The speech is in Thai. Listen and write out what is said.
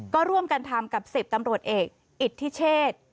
ก็ร่วมกันทำกับ๑๐ตำรวจเอกอิทธิเชษ